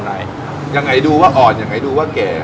เช่นอาชีพพายเรือขายก๋วยเตี๊ยว